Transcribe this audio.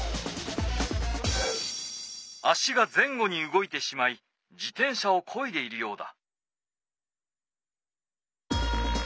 足が前後に動いてしまい自転車をこいでいるようだ。